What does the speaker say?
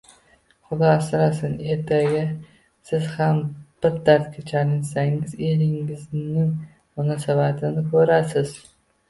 Xudo asrasin, ertaga siz ham bir dardga chalinsangiz, eringizning munosabatini ko`rasiz